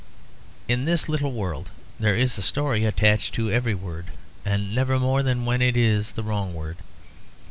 In this little world there is a story attached to every word; and never more than when it is the wrong word.